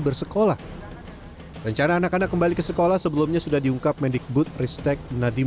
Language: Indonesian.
bersekolah rencana anak anak kembali ke sekolah sebelumnya sudah diungkap mendikbud ristek nadiem